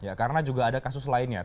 ya karena juga ada kasus lainnya